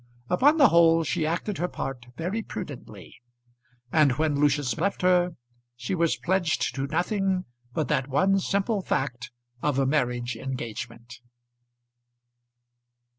Upon the whole she acted her part very prudently, and when Lucius left her she was pledged to nothing but that one simple fact of a marriage engagement.